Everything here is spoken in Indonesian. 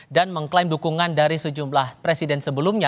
dan mengklaim dukungan dari sejumlah presiden sebelumnya